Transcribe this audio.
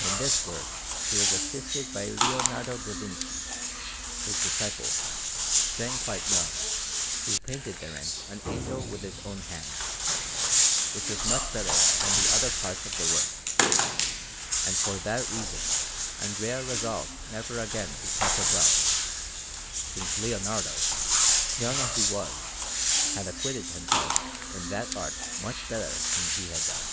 In this work he was assisted by Leonardo da Vinci, his disciple, then quite young, who painted therein an angel with his own hand, which was much better than the other parts of the work; and for that reason Andrea resolved never again to touch a brush, since Leonardo, young as he was, had acquitted himself in that art much better than he had done.